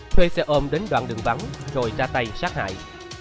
thuê xe ôm đến đoạn đường vắng rồi ra tay sát hại